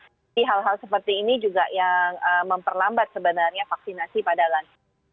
tapi hal hal seperti ini juga yang memperlambat sebenarnya vaksinasi pada lansia